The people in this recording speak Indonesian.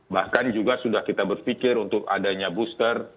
bahkan juga sudah kita berpikir untuk adanya booster